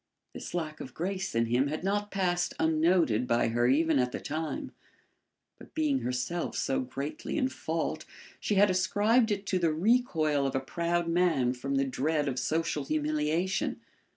This lack of grace in him had not passed unnoted by her even at the time, but being herself so greatly in fault she had ascribed it to the recoil of a proud man from the dread of social humiliation.